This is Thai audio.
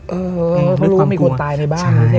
เพราะรู้ว่ามีคนตายในบ้าน